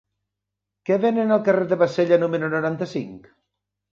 Què venen al carrer de Bassella número noranta-cinc?